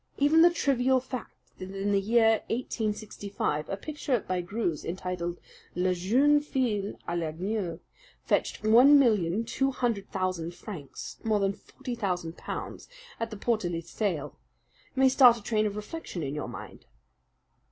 "Even the trivial fact that in the year 1865 a picture by Greuze entitled La Jeune Fille a l'Agneau fetched one million two hundred thousand francs more than forty thousand pounds at the Portalis sale may start a train of reflection in your mind."